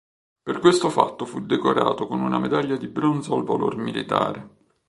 Per questo fatto fu decorato con una Medaglia di bronzo al valor militare.